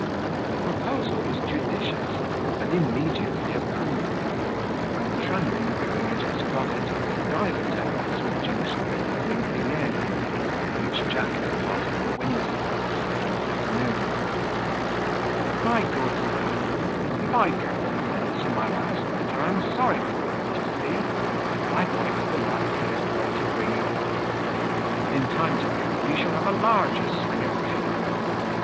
The proposal was judicious, and immediately approved; when Trunnion, going into his closet, after divers efforts, produced the following billet, with which Jack departed for Windsor that same afternoon: "My good lad, If I gave offence in my last letter I'm sorry for't, d'ye see: I thought it was the likeliest way to bring you up; but, in time to come, you shall have a larger swing of cable.